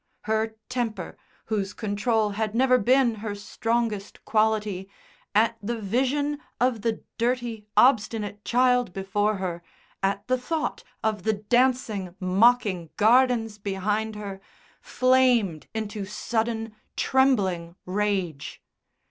Her temper, whose control had never been her strongest quality, at the vision of the dirty, obstinate child before her, at the thought of the dancing, mocking gardens behind her, flamed into sudden, trembling rage.